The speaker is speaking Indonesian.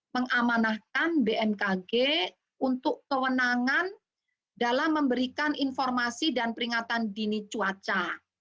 mengamanahkan bmkg untuk kewenangan dalam memberikan informasi dan peringatan dini cuaca